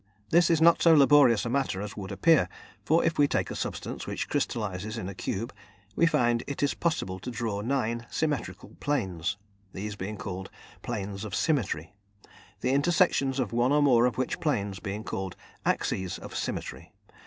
This is not so laborious a matter as would appear, for if we take a substance which crystallises in a cube we find it is possible to draw nine symmetrical planes, these being called "planes of symmetry," the intersections of one or more of which planes being called "axes of symmetry."